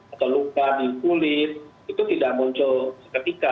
atau luka di kulit itu tidak muncul seketika